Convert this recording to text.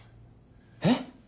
えっ？